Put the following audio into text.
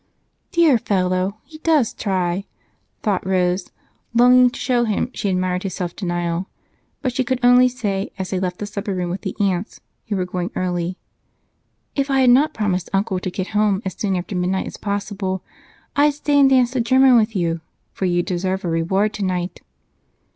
"Dear fellow, he does try," thought Rose, longing to show how she admired his self denial, but she could only say, as they left the supper room with the aunts, who were going early: "If I had not promised Uncle to get home as soon after midnight as possible, I'd stay and dance the German with you, for you deserve a reward tonight."